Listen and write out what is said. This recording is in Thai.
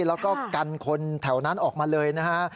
แล้วก็กันคนแถวนั้นออกมาเลยนะฮะ